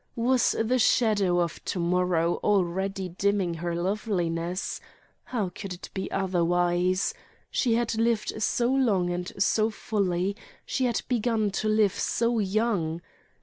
Was the shadow of to morrow already dimming her loveliness? How could it be otherwise? She had lived so long and so fully, she had begun to live so young.